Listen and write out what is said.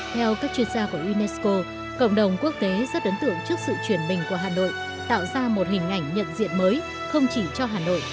theo các chuyên gia của unesco cộng đồng quốc tế rất ấn tượng trước sự chuyển bình của hà nội tạo ra một hình ảnh nhận diện mới không chỉ cho hà nội